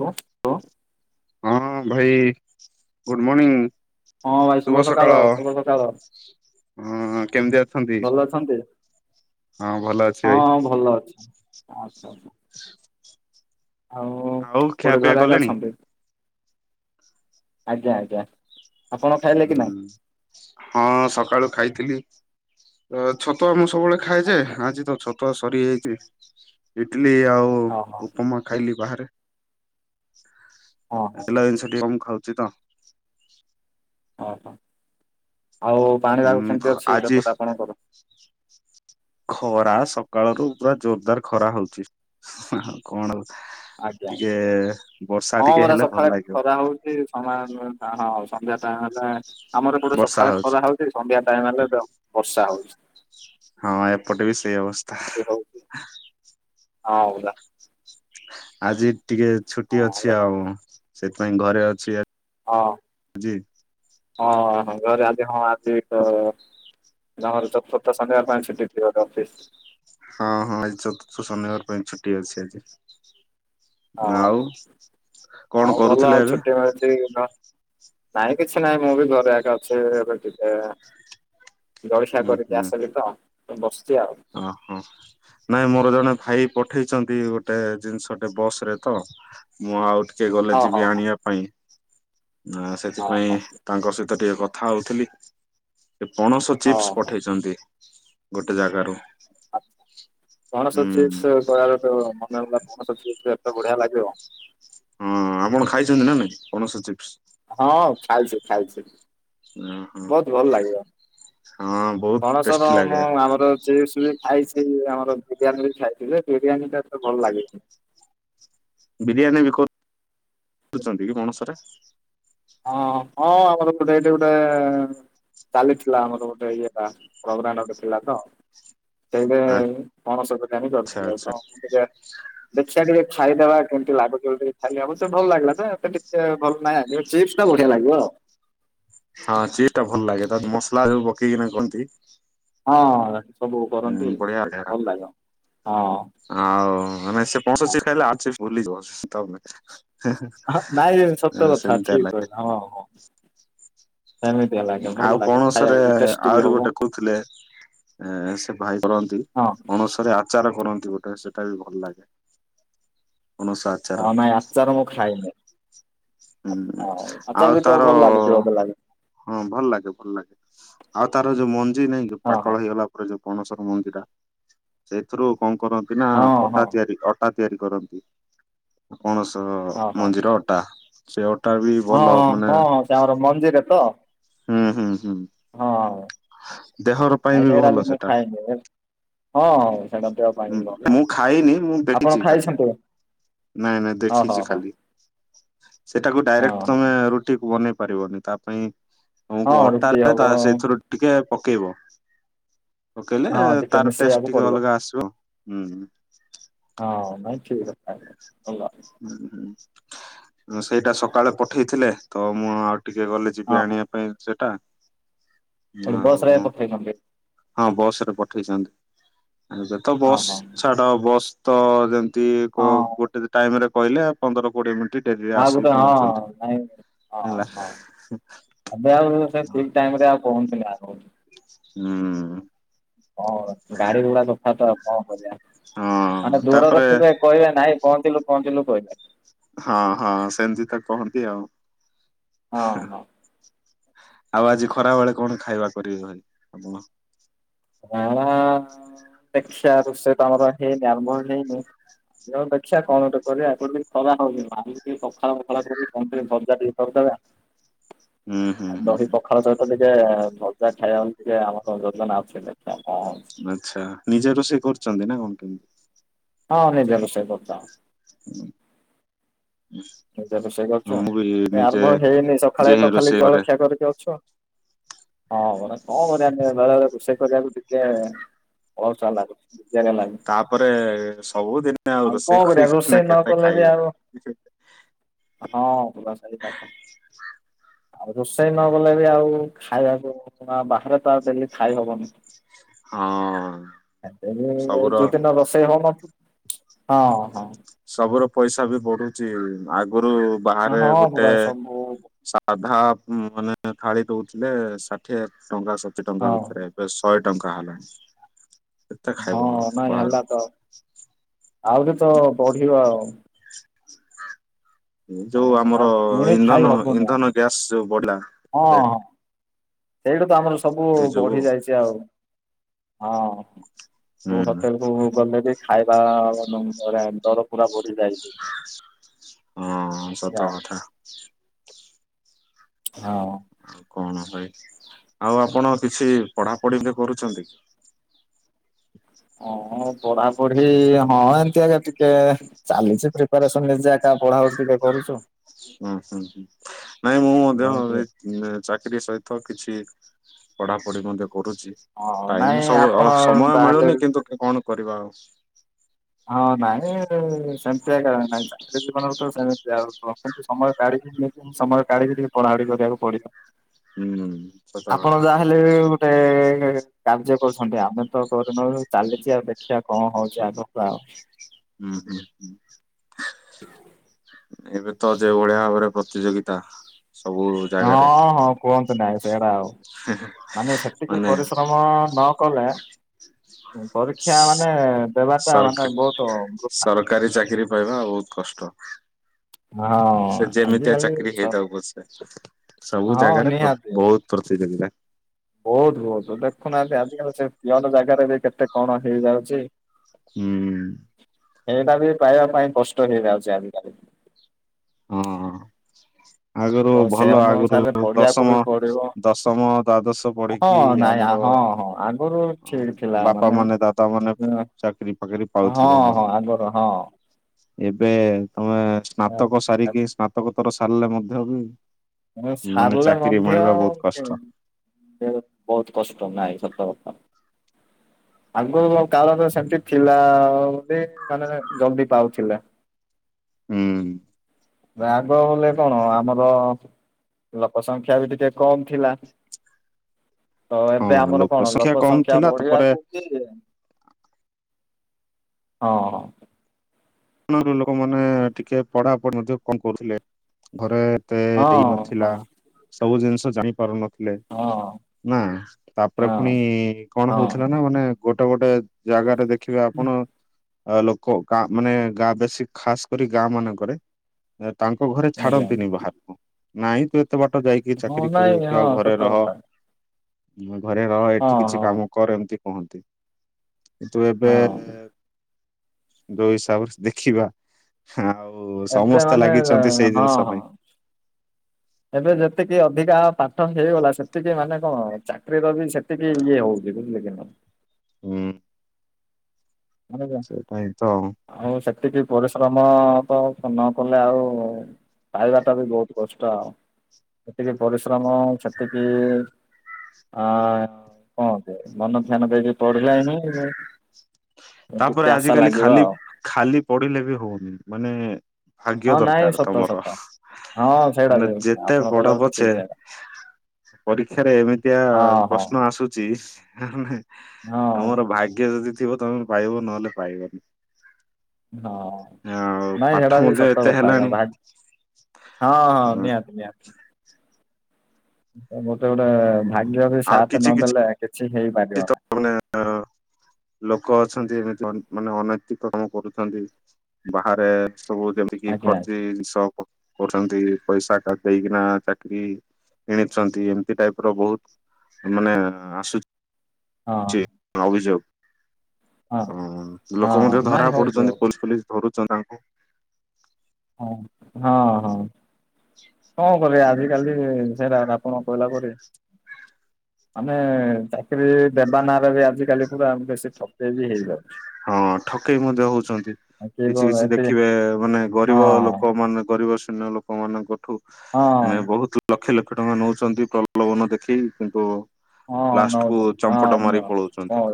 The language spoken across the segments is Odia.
ରୋ ହଁ ଭାଇ ଗୁଡ଼୍ ମଣିଂ। ହଁ ଭାଇ ଶୁଭ ସକାଳ ଶୁଭ ସକାଳ। ହଁ କେମତି ଅଛନ୍ତି ଭଲ ଅଛନ୍ତି? ହଁ ଭଲ ଅଛି ଭାଇ। ହଁ ଭଲ ଅଛି ଆଚ୍ଛା ଆଚ୍ଛା। ଆଉ କୋଉଠ ଖିଆପିଆ ଘରେ ଆଜି କଲେଣି? ଅଛନ୍ତି? ଆଜ୍ଞା ଆଜ୍ଞା। ଆପଣ ଖାଇଲେ କି ହୁଁ ନାଇଁ? ହଁ ସକାଳୁ ଖାଇଥିଲି ଅ ଛତୁଆ ମୁଁ ସବୁବେଳେ ଖାଏ ଯେ ଆଚ୍ଛା ଆଜି ତ ଛତୁଆ ସରିଯାଇଚି ଇଡଲି ଆଉ ଓହୋ ଉପମା ଖାଇଲି ବାହାରେ ହଁ ହଁ ଏକେଲା ଜିନିଷ ଟିକେ କମ୍ ଖାଉଚି ତ। ଓହୋ, ଆଉ ପାଣିପାଗ ହୁଁ କେମିତି ଅଛି ଆଜି ସେପଟେ ଆପଣଙ୍କର? ଖରା ସକାଳ ରୁ ପୁରା ଜୋରଦାର୍ ଖରା ହଉଚି ହେ-ହେ। କଣ ଆଜ୍ଞା ଆଜ୍ଞା ଟିକେ ବର୍ଷା ହଁ ଟିକେ ପରା ହେଲେ ସକାଳେ ଭଲ୍ ଲାଗିବ। [unintelligible] ହଁ ସନ୍ଧ୍ୟା ଟାଇମ୍ ହେଲେ ଆମର ଏପଟେ ବର୍ଷା ସଖାଳେ ହଉଛି ଖରା ହଉଚି, ସନ୍ଧ୍ୟା ଟାଇମ୍ ହେଲେ ବର୍ଷା ହଉଛି। ହଁ ଏପଟେ ବି ସେଇ ଅବସ୍ତା। ହଉଛି ହଁ ପରା। ଆଜି ଟିକେ ଛୁଟି ଅଛି ଆଉ, ସେଥିପାଇଁ ଘରେ ଅଛି ଆ। ହଁ-ହଁ ଘରେ ଆଜି ହଁ ଆଜି ତ ତମର ଚତୁର୍ଥ ଶନିବାର ପାଇଁ ଛୁଟି ଥିବ ତ ଅଫିସ୍। ହଁ-ହଁ ଆଜି ଚତୁର୍ଥ ଶନିବାର ପାଇଁ ଛୁଟି ଅଛି ଆଜି। ହଁ ଆଉ କଣ ଆଉ ଭଲ କରୁଥିଲେ ଆଉ ଏବେ? ଛୁଟି ମିଳିଚି ତ। ନାଇଁ କିଛି ନାହିଁ, ମୁଁ ବି ଘରେକା ଅଛି ଏବେ ଟିକେ। ଜଳିଖିଆ ହୁଁ କରିକି ଆସିଲି ତ ମୁଁ ବଶ୍ଚି ଆଉ। ଅ ହୋ। ନାଇଁ ମୋର ଜଣେ ଭାଇ ପଠେଇଚନ୍ତି ଗୋଟେ ଜିନିଷଟେ ବସ୍ ରେ ତ। ମୁଁ ଆଉ ଟିକେ ଗଲେ ହଁ ହଁ ଯିବି ଆଣିବା ପାଇଁ, ଆ ହଁ ହଁ ସେଥିପାଇଁ ତାଙ୍କ ସହିତ ଟିକେ କଥା ହଉଥିଲି, ସେ ପଣସ ହଁ ହଁ ଚିପ୍ସ ହଁ। ପଠେଇଚନ୍ତି ଗୋଟେ ଜାଗାରୁ। ଆଚ୍ଛା ପଣସ ହୁଁ। ଚିପ୍ସ କହିବାକୁ ଗଲେ ମନେ ହେଲା ପଣସ ଚିପ୍ସ ଏତେ ବଢିଆ ଲାଗିବ। ହଁ ଆପଣ ଖାଇଚନ୍ତି ନା ନାଇଁ ପଣସ ଚିପ୍ସ? ହଁ ଖାଇଛି-ଖାଇଛି। ଓହୋ ବହୁତ୍ ଭଲ ଲାଗିବ, ହଁ ବହୁତ ଟେଷ୍ଟି ପଣସର ଲାଗେ ମୁଁ ଆମର ଚିପ୍ସ ବି ଖାଇଛି, ଆମର ବିରିୟାନୀ ବି ଖାଇଥିଲି ବିରିୟାନୀ ଟା ଏତେ ଭଲ୍ ଲାଗେନି। ବିରିୟାନୀ ବି କରୁଚନ୍ତି ପଣସ ରେ? ହଁ-ହଁ ଆମର ଗୋଟାଏ ଏଇଠି ଗୋଟାଏ ଚାଲିଥିଲା ଆମର ଗୋଟେ ଇଏଟା ପ୍ରୋଗ୍ରାମ ଗୋଟେ ଥିଲା ତ [unintelligible] ପଣସ ତରକାରୀ ଆଚ୍ଛା କରିଥିଲେ ଆଚ୍ଛା [unintelligible] ଦେଖିଆ ଟିକେ ଖାଇଦବା କେମିତି ଲାଗୁଚି ବୋଲି ଟିକେ। ଖାଲି ଅବସ୍ୟ ଭଲ ଲାଗିଲାନି ତ ଏତେ ଟିକେ ଭଲ ନାହିଁ, ଚିପ୍ସ ଟା ବଢିଆ ଲାଗିବ ଆଉ। ହଁ ଚପ୍ସ୍ ଟା ଭଲ ଲାଗେ ତା ଯୋଉ ମସଲା ସବୁ ପକେଇକିନା କରନ୍ତି। ହଁ ସବୁ କରନ୍ତି ଭଲ୍ ଲାଗେ ହଁ। ଆଉ ମାନେ ସେ ପଣସ ଚିପ୍ସ ଖାଇଲେ ଆଳୁ ଚିପ୍ସ ଭୁଲିି ଯିବ ତମେ। ହେ-ହେ ସେମ୍ତିଆ ଲାଗେ। ହଁ-ହଁ। ଭଲ ଆଉ ଲାଗେ ପଣସରେ ଖାଇବାକୁ ବି ଟେଷ୍ଟି ବି ଆହୁରି ହବ ଗୋଟେ କହୁଥିଲେ ଏ ସେ ଭାଇ କରନ୍ତି ହଁ ପଣସରେ ଆ ଚାର କରନ୍ତି ଗୋଟେ ସେଟା ବି ଭଲ୍ ଲାଗେ, ପଣସ ଆ ହଁ ନାଇଁ ଆଚାର ମୁଁ ଖାଇନି, ହୁଁ ଆଚାର ଆଉ ବି ତାର ତ ଭଲ୍ ଲାଗିଥିବ ମତେ ଲାଗୁଚି। ହଁ ଭଲ୍ ଲାଗେ ଭଲ୍ ଲାଗେ, ଆଉ ତାର ଯୋଉ ମଞ୍ଜି ନାଇଁ ଯୋଉ ହଁ ହଁ ପାକଳ ହେଇଗଲା ପଣସର ଯୋଉ ମଞ୍ଜିଟା ସେଇଥିରୁ କଣ କରନ୍ତି ନା ହଁ ଅଟା ହଁ ତିଆରି ଅଟା ତିଆରି କରନ୍ତି, ପଣସ ମଞ୍ଜିର ଅଟା ସେ ଅଟା ବି ଭଲ ମାନେ ହଁଁ-ହଁ ସେ [unintelligible] ମଞ୍ଜିରେ ତ? ହୁଁ-ହୁଁ-ହୁଁ। ହଁ ଭାଇ ସେଇଟା ଭଲ ବି ମୁଁ ସେଟା ଖାଇନି ହଁ ସେଇଟା ଦେହ ପାଇଁ ଭଲ ମୁଁ ଖାଇନି ମୁଁ ଆପଣ ଦେଖିଛି ଖାଲି, ଖାଇଛନ୍ତି ନାଇଁ-ନାଇଁ ହଁ ହଁ ଦେଖିଛି ହଁ ଖାଲି। ସେଟାକୁ ଡାଇରେକ୍ଟ ହଁ ତମେ ରୁଟିକୁ ବନେଇ ପାରିବନି, ତା ପାଇଁ ହଁ ତମକୁ ରୁଟି ଅଟାରେ ହବ ତା ସେଇଥିରୁ ଟିକେ ପକେଇବ, ପକେଇଲେ ହଁ ଟିକେ ତାର ଟେଷ୍ଟ ମିଶେଇବାକୁ ଟିକେ ପଡ଼ିବ ଅଲଗା ଆସିବ ଆଉ। ହୁଁ-ହୁଁ। ହଁଁ [unintelligible] ଭଲ ହୁଁ ହୁଁ ରୋଷେଇ ସକାଳେ ପଠେଇଥିଲେ, ତ ମୁଁ ଆଉ ଟିକେ ଗଲି ଯିବି ହଁ ଆଣିବା ପାଇଁ ସେଟା ଗୋଟେ ବସ୍ରେ ଆଉ ପଠେଇଛନ୍ତି ହଁ ବସ ରେ ପଠେଇଛନ୍ତି ହୁଁ ସେତ ହଁ ବସ୍ ହଁ ଛାଡ ବସ୍ ତ ଯେ ହଁ ଗୋଟେ ଟାଇମ ରେ କହିଲେ ପନ୍ଦର କୋଡିଏ ମିନିଟ୍ ଡେରିରେ ହଁ ଆସିକି ଗୋଟେ ହଁ ପହଞ୍ଚୁଛନ୍ତି ନାଇଁ ହଁ ହେଲା। ହଁ। ଏବେ ଆଉ ସେ ଠିକ ଟାଇମ ରେ ଆଉ ପହଞ୍ଚିଲା ପ ହୁଁ। ହଁ ଗାଡି ଗୁଡା କଥା ତ କଣ କରିବା, ମାନେ ହଁ ଦୂର ରେ ତାପରେ ଥିବେ କହିବେ ନାଇଁ ପହଞ୍ଚିଲୁ ପହଞ୍ଚିଲୁ କହିବେ। ହଁ ହଁ ସେମିତି ତ କୁହନ୍ତି ଆଉ ହଁ ଆଉ ଆଜି ଖରା ବେଳେ କଣ ଖାଇବା କରିବେ ଭାଇ ଆପଣ? ହ ଦେଖିବା ରୋଷେଇ ତ ଆମର ହେଇନି ଆରମ୍ଭ ହେଇନି। ହଉ ଦେଖିିବା କଣ ଗୋଟେ କରିବା, ଜଦି ଖରା ହଉନିି ପଖାଳ ଫଖାଳ କରିକି, କଣ ଟିକେ ଭଜା ଟିକେ କରିଦେବା, ହୁଁ ହୁଁ ହୁଁ ଦହୀ ପଖାଳ ସହିତ ଟିକେ ସେ ଭଜା ଖାଇବାକୁ ଟିକେ ଆମର ଜେଜନା ଅଛି ହେଲେ ଆଚ୍ଛା ନିଯେ ରୋଷେଇ କରୁଛନ୍ତି ନା କଣ କେମିତି? ହଁ ନିଯେ ରୋଷେଇ କରୁଛ। [inaudible] ଏବେ ରୋଷେଇ ହଁ କରୁଛ, ମୁଁ ବି ଏବେ ନିଜେ ଆରମ୍ଭ ହେଇନି ସକାଳେ ନିଜେ ହିଁ ତ ଖାଲି ରୋଷେଇ କରେ। ଜଳଖିଆ କରିକି ଅଛୁ। ହଁ ପରା କଣ କରିବା ବେଳେବେଳେ ରୋଷେଇ କରିବାକୁ ଡି ଟିକେ ଅଳୁଶୁଆ ଲାଗୁଛି। ବିଜାରିଆ ଲାଗୁଛି। ତାପରେ ସବୁଦିନେ ଆଉ କଣ ରୋଷେଇ କରିବା ରୋଷେଇ କରିକି ନ କେତେ କଲେ ବି ଖାଇବେ। ଆଉ ହଁ ପରା ସେଇଟା ତ ଆଉ ରୋଷେଇ ନ କଲେ ବି ଆଉ ଖାଇବାକୁ ବାହାରେ ତ ଆଉ ଡେଲି ଖାଇ ହବନି। ହଁ ଏବେ ବି ସବୁର ଯୋଉ ଦିନ ରୋଷେଇ ହଉନ ହଁ, ହଁ। ସବୁର ପଇସା ବି ବଢୁଛି ଆଗରୁ ବାହାରେ ହଁ ଗୋଟେ ପୁରା ସବୁ ସାଧା ମାନେ ଥାଳି ଦଉଥିଲେ ଷାଠିଏ ଟଙ୍କା, ସତୁରି ଟଙ୍କା ହଁ ଭିତରେ। ଏବେ ଶହେ ଟଙ୍କା ହେଲାଣି। କେତେ ହଁ ଖାଇବ ଆଉ ନାଇଁ ବାହାର ହେଲା ତ, ଆହୁରି ତ ବଢିବ ଆଉ। ଯୋଉ ହଁ ଆମର ଆଉ କିଣି ଖାଇ ଇନ୍ଧନ, ହବନି ଆଉ ଇନ୍ଧନ ଗ୍ୟାସ ଯୋଉ ବଢିଲା ରେଟ୍। ସେଇଟୁ ତ ଆମର ସବୁ ବୃଦ୍ଧି ଯୋଗୁ ବଢି ଯାଇଛି ଆଉ ହଁ। କୋଉ ହୁଁ ହୋଟେଲ କୁ ଗଲେ ବି ଖାଇବା ଦର ପୁରା ବଢିଯାଇ ହଁ, ସତ କଥା। ହଁ। ଆଉ ଆପଣ କିଛି ପଢାପଢି ଏବେ କରୁଛନ୍ତି? ହଁ ପଢାପଢି ହଁ ଏମିତି ଆଜ୍ଞା ଟିକେ ଚାଲିଛି ପ୍ରିପାରେସନ ନିଯେ ଆକା ପଢା ପଢି ଟିକେ କରୁଛୁ। ହୁଁ, ହୁଁ, ହୁଁ ନାଇଁ ମୁଁ ମଧ୍ୟ ରହିବେ ଉ ଚାକିରୀ ସହିତ କିଛି ପଢାପଢି ମଧ୍ୟ କରୁଛି। ହଁ ନାଇଁ ଟାଇମ ସବୁ ଆପଣ ସମୟ ତାହେଲେ ମିଳୁନି କିନ୍ତୁ କଣ କରିବା ଆଉ? ହଁ ନାଇଁ ଏବେ ସେମତି ଆକା। [unintelligible] ସେମିତି ସମୟ କାଢିକି ନେଇ ସମୟ କାଢିକି ଟିକେ ପଢାପଢ଼ି କରିବାକୁ ପଡିବ। ହୁଁ, ସତ କଥା। ହେଲେ ଗୋଟେ କାର୍ଯ୍ୟ କରୁଛନ୍ତି ଆମେ ତ କରୁନୁ ଚାଲିଛି ଆଉ ଦେଖିବା କଣ ହଉଛି ଆଗକୁ ଆଉ? ଉହୁଁ। ଏବେ ତ ଯେଉ ଭଳିଆ ଭାବରେ ପ୍ରତିଯୋଗିତା ସବୁ ଜାଗାରେ ହଁ ହଁ କୁହନ୍ତୁ ନାଇଁ ସେଇରା ଆଉ। ମାନେ ସେତିକି ମାନେ ପରିଶ୍ରମ ହଁ ନ କଲେ ପରୀକ୍ଷା ମାନେ ଦେବାଟା ସରକା ମାନେ ବହୁତ ବୃଥା। ସରକାରୀ ଚାକିରି ପାଇବା ବହୁତ କଷ୍ଟ। ହଁ ସେ ଯେମିତିଆ ଆଜିକାଲି ଚାକିରି ହେଇଥାଉ ପଛେ ସବୁ ହଁ ଜାଗାରେ ନିହାତି ବହୁତ ପ୍ରତିଯୋଗିତା। ବହୁତ ବହୁତ ଦେଖୁନାହାନ୍ତି ଆଜିିକାଲି ସେ ପିଅନ ଜାଗାରେ ବି କେତେ କଣ ହେଇଯାଉଛି? ହୁଁ। ସେଇଟା ବି ପାଇବା ପାଇଁ କଷ୍ଟ ହେଇଯାଉଛି ଆଜିକାଲି। ହଁ। ଆଗରୁ ତ ସେ ଭଲ ଆଗରୁ ଅନୁସାରେ ପଢିବାକୁ ଦଶମ ବି ପଡିବ। ଦଶମ, ଦ୍ଵାଦଶ ହଁ ପଢି ନାଇଁ ଆମର ହଁ ହଁ ଆଗରୁ ଠିକ ଥିଲା ବାପା ମାନେ, ଦାଦା ମାନେ ଚାକିରି ଫାକିରି ହଁ ପାଉଥି ଭଲ। ହଁ ଆଗରୁ ହଁ। ଏବେ ତମେ ସ୍ନାତକ ସାରିକି ସ୍ନାତକତର ସାରିଲେ ମଧ୍ୟ ବି ମାନେ ସାରିଲେ ଚାକିରି ମଧ୍ୟ ମିଳିବା ବହୁତ କଷ୍ଟ। ବୋ ବହୁତ କଷ୍ଟ ନାହିଁ ସତ କଥା। ଆଗରୁ କାଳର ସେମତି ଥିଲା ମାନେ ଜଲଦି ପାଉଥିଲା। ହୁଁ। ରାଗ ବଲେ କଣ ଆମର ଲୋକ ସଂଖ୍ୟା ବି ଟିକେ କମ ଥିଲା। ତ ହଁ ଏବେ ଆମର କଣ ଲୋକ କମ ସଂଖ୍ୟା ଥିଲା ତାପରେ ବଢିବାକୁ କିମ୍ ହଁ। ଆଗରୁ ଲୋକମାନେ ଟିକେ ପଢାପଢି ମଧ୍ୟ କଣ କରୁଥିଲେ ଘରେ ଏତେ ହଁ ହେଇ ହଁ ନଥିଲା, ସବୁ ଜିନିଷ ଜାଣିପାରୁନ ଥିଲେ। ହଁ ନା ତାପରେ ପୁଣି ହଁ କଣ ହଁ ହଉଥିଲା ନା ମାନେ ଗୋଟେ ଗୋଟେ ଜାଗାରେ ଦେଖିବେ ଆପଣ ଲୋକ ଗା ମାନେ ଗାଁ ବେଶୀ ଖାସ କରି ଗାଁ ମାନଙ୍କରେ ତାଙ୍କ ଘରେ ଆଜ୍ଞା ଛାଡ଼ନ୍ତିନି ବାହାରେ। ନାଇଁ ତୁ ଏତେ ବାଟ ଯାଇକି ହଁ ଚାକିରି ନାଇଁ କରିବୁ କି ହଁ ଆଉ ଘରେ ସତ ରହ। କଥା ମ ଘରେ ରହେ ଏଠି ହଁ କିଛି ହଁ କାମ କର ଏମତି କୁହନ୍ତି। ତୁ ଏବେ ହଁ ଯୋଉ ହିସାବରେ ଦେଖିବା ଆଉ ଏବେ ସମସ୍ତେ ମାନେ ଲାଗିଛନ୍ତି ସେଇ ହଁ ଜିନିଷ ହଁ ପାଇଁ। ଏବେ ଯେତିକି ଅଧିକା ପାଠ ହେଇଗଲା ସେତିକି ମାନେ କଣ ଚାକିରିର ବି ସେ ସେତିକି ଇଏ ହଉଛି ବୁଝିଲେ କି ନାଇଁ? ହୁଁ। ମାନେ ସେଇଟା ହିଁ ତ। ଆଉ ସେତିକି ପରିଶ୍ରମ ତ ନ କଲେ ଆଉ ଖାଇବା ଟା ବି ବହୁତ କଷ୍ଟ ଆଉ। ସେତିକି ପରିଶ୍ରମ ସେତିକି ଆ କଣ ମନ ଧ୍ୟାନ ଦେଇକି ପଢିଲାନି। ତାପରେ ଆଜିିକାଲି ଖାଲି ଆଉ ଖାଲି ପଢିଲେ ବି ହଉନି। ମାନେ ଭାଗ୍ୟ ହଁ ନାଇଁ ଦରକାର ସତ ତମର ସତ ହଁ ସେଇଟା ମାନେ ବି ଯେତେ ଆପଣ କହିଲା ବଡ ଠିକ୍ ପଛେ ସେଇଟା ପରୀକ୍ଷାରେ ଏମିତିଆ ହଁ ହଁ ପ୍ରଶ୍ନ ଆସୁଛି। ନାଇଁ ହଁ ତମର ଭାଗ୍ୟ ଯଦି ଥିବ ତମେ ପାଇବ ନହେଲେ ପାଇବନି। ହଁ ଆଉ ନାଇଁ ପାଠ ସେଟା ବି ମଧ୍ୟ ସତ ଏତେ କଥା ହେଲାଣି ଆଜ୍ଞା ଭା ହଁ ହଁ ନିହାତି ନିହାତି। ମୋତେ ଗୋଟେ ଭାଗ୍ୟ ବି ସାଥ ନଦେଲେ କିଛି ହେଇପାରିବ ନାହିଁ। ମାନେ ଲୋକ ଅଛନ୍ତି ଏମିତି ମାନେ ଅନୈତି କାମ କରୁଛନ୍ତି। ବାହାରେ ସବୁ ଯେମିତି ଆଜ୍ଞା ଫର୍ଜି ଆଜ୍ଞା ଜିନିଷ କରୁଛନ୍ତି। ପଇସା ଦେଇକିନା ଚାକିରି କିଣିଛନ୍ତି ଏମିତି ଟାଇପ ର ବହୁତ ମାନେ ଆସୁଛି। ହଁ ହଁ ଅଭିଯୋଗ ଓ ଲୋକ ହଁ ମଧ୍ୟ ନାଇଁ ଧରା ହଉଛି ପଡୁଛନ୍ତି ପୋଲିସ ପୋଲିସ ଧରୁଛ ତାଙ୍କୁ। ହଁ ହଁ ହଁ କଣ କରିବ ଆଜିକାଲି ସେଇଟା କଣ କହିଲା ପରେ ଆମେ ଚାକରି ଦେବା ନାଁରେ ବି ଆଜିକାଲି ପୁରା ବେଶୀ ଠକେଇ ବି ହେଇଯାଉଛି। ହଁ ଠକେଇ ମଧ୍ୟ ହଉଛନ୍ତି ଆଉ କିଏ କିଛି କଣ କିଛି ଏତେ ଦେଖିବେ ମାନେ ଗ ରିବ ହଁ ଲୋକ ମାନ ଗରିବ ଶ୍ରେଣୀ ର ଲୋକମାନଙ୍କଠୁ ହଁ ବହୁତ ଲକ୍ଷ ଲକ୍ଷ ଟଙ୍କା ନେଉଛନ୍ତି ପ୍ରଲୋଭନ ଦେଖେଇ କିନ୍ତୁ ହଁ ଲାଷ୍ଟ କୁ ନଉଛନ୍ତି ଚମ୍ପଟ ହଁ ନ ମାରିକି ପଳଉଛନ୍ତି।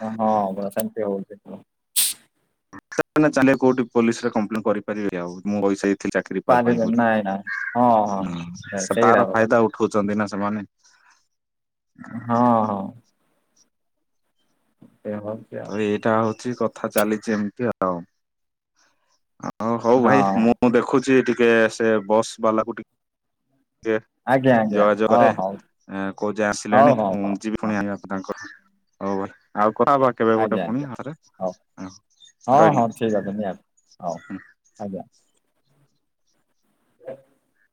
ହଁ [unintelligible] ହଉଛି। ଚାଲେ କୋଉଠି ପୋଲିସରେ କମ୍ପ୍ଲେନ କରିପାରିବି ଆଉ ମୁଁ ପଇସା ଚାକିରୀ ପାଇ ପାଇଁ ପାରିବେ ନାଇଁ ନାଇଁ ହଁ ବୋଲି ହଁ ସେ ସେଇଟା ତାର ପରା ଫାଇଦା ଉ ଦେଖୁଛନ୍ତି ନା ସେମାନେ। ହଁ ହଁ। ସେ ହଁ। ତ ଏଇଟା ହଉଛି କଥା ଚାଲିଛି ଏମିତି ଆଉ ଆଉ ହଉ ଭାଇ ହଁ ମୁଁ ମୁଁ ଦେଖୁଛି ଟିକେ ସେ ବସ୍ ବାଲାକୁ ଟିକେ ଟିକେ ଆଜ୍ଞା ଆଜ୍ଞା ଯୋଗାଯୋଗ ହଁ କରେ ହଉ କୋଉ ଯାଏଁ ହଉ ଆସିଲେଣି ହଉ ମୁଁ ହଉ ଯିବି। ହଁ ପୁଣି ଆଣିବାକୁ ତାଙ୍କର ହଉ ବୋଲି ଆଉ [unintelligible] କେବେ ଗୋଟେ ଆଜ୍ଞା ପୁଣି ଆଜ୍ଞା ହରେ ହଉ ହଁ ରହିଲି। [unintelligible] ହଉ ଆଜ୍ଞା [unintelligible]